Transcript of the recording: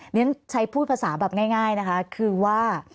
ก็ใช้พูดภาษาแบบง่ายง่ายนะคะคือว่า